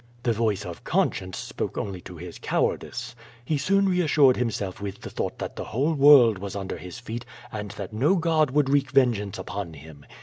The voice of conscience spoke only to his cowardice. He soon reassured himself with the thought that the whole world was under his feet and that no god would wreak vengeance upon him.